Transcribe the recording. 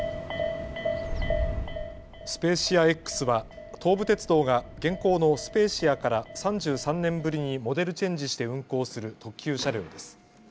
スペーシアＸは東武鉄道が現行のスペーシアから３３年ぶりにモデルチェンジして運行する特急車両です。